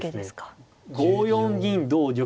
５四銀同玉